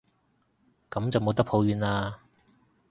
噉就冇得抱怨喇